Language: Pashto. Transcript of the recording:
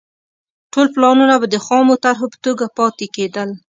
ټول پلانونه به د خامو طرحو په توګه پاتې کېدل